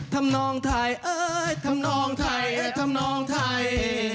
ทำนองไทยทำนองไทยทำนองไทย